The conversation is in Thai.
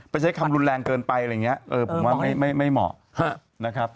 ใช้คำรุนแรงเกินไปอะไรอย่างนี้ผมว่าไม่เหมาะนะครับ